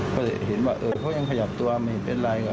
ก็เห็นว่าเขายังขยับตัวไม่เป็นไร